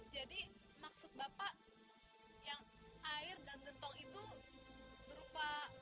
jadi maksud bapak yang air dalam gentong itu berupa